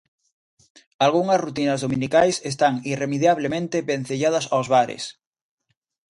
Algunhas rutinas dominicais están irremediablemente vencelladas aos bares.